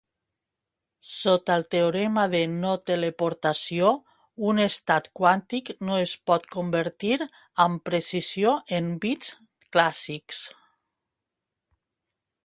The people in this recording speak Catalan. Sota el teorema de no-teleportació, un estat quàntic no es pot convertir amb precisió en bits clàssics.